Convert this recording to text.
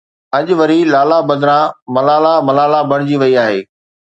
اڄ وري لالا بدران ملاله ملاله بڻجي وئي آهي.